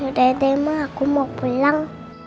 yaudah deh ma aku mau pulang